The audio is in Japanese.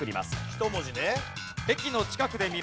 １文字ね。